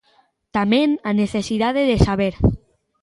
Tamén a necesidade de saber.